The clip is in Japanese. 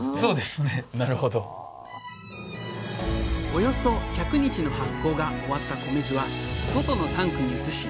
およそ１００日の発酵が終わった米酢は外のタンクに移し